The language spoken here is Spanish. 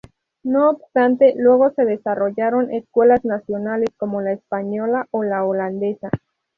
No obstante, luego se desarrollaron escuelas nacionales como la española o la holandesa.